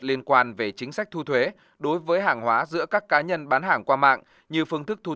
liên quan về chính sách thu thuế đối với hàng hóa giữa các cá nhân bán hàng qua mạng